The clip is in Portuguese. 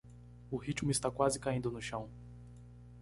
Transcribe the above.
O ritmo está quase caindo no chão